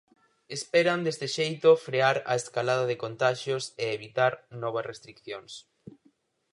Esperan deste xeito frear a escalada de contaxios e evitar novas restricións.